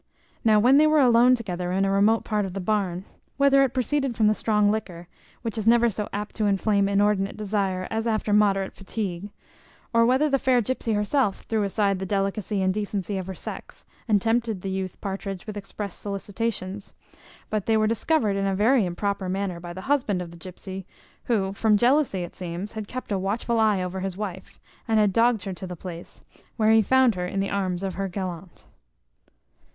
Now, when they were alone together in a remote part of the barn, whether it proceeded from the strong liquor, which is never so apt to inflame inordinate desire as after moderate fatigue; or whether the fair gypsy herself threw aside the delicacy and decency of her sex, and tempted the youth Partridge with express solicitations; but they were discovered in a very improper manner by the husband of the gypsy, who, from jealousy it seems, had kept a watchful eye over his wife, and had dogged her to the place, where he found her in the arms of her gallant.